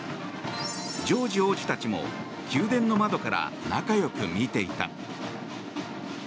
ジョージ王子たちも宮殿の窓から仲良く見ていた。